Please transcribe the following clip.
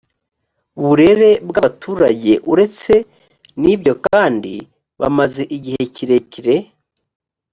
burere bw abaturage uretse n byo kandi bamaze igihe kirekire